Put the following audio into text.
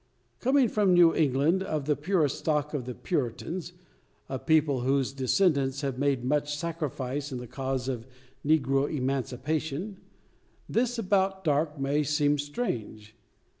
Coming from New England, of the purest stock of the Puritans a people whose descendants have made much sacrifice in the cause of negro emancipation this about Darke may seem strange.